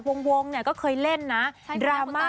ขอบคุณครับขอบคุณครับ